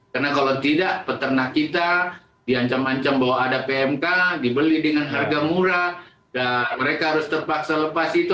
karena kalau tidak peternak kita diancam ancam bahwa ada pmk dibeli dengan harga murah dan mereka harus terpaksa lepas itu